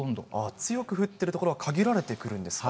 強く降っている所は限られてくるんですね。